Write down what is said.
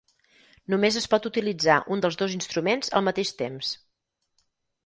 Només es pot utilitzar un dels dos instruments al mateix temps.